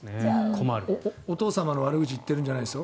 お父様の悪口を言っているんじゃないですよ